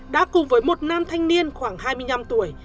đã cùng với một nam thanh niên khoảng hai mươi năm tuổi